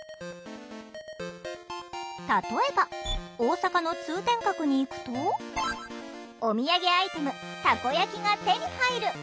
例えば大阪の通天閣に行くとおみやげアイテム「たこやき」が手に入る。